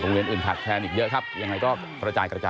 โรงเรียนอื่นขาดแทนอีกเยอะครับยังไงก็ประจายกันไป